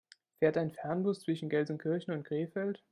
Fährt ein Fernbus zwischen Gelsenkirchen und Krefeld?